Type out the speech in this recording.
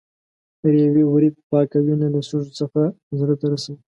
ریوي ورید پاکه وینه له سږو څخه زړه ته رسوي.